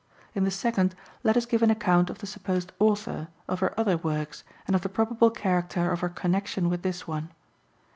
In the second, let us give an account of the supposed author, of her other works, and of the probable character of her connection with this one.